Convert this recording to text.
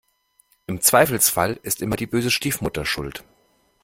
Im Zweifelsfall ist immer die böse Stiefmutter schuld.